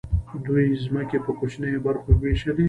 دوی ځمکې په کوچنیو برخو وویشلې.